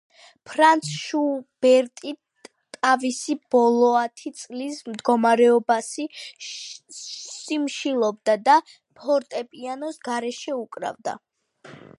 ფრანც-შუბერტი ტავისი ბოლოათი წლის მდგომარეობასი სიმშილობდა და ფორტეპიანოს გარეშე უკრავდა